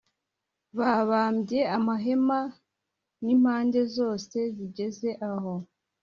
babambye amahema n impande zose zigeza aho